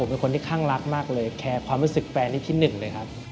ผมเป็นคนที่คร่างรักมากเลย